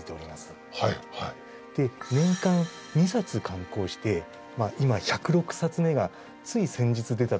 で年間２冊刊行して今１０６冊目がつい先日出たところでした。